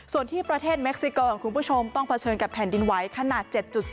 ส่วนที่ประเทศเม็กซิกรคุณผู้ชมต้องเผชิญกับแผ่นดินไหวขนาด๗๔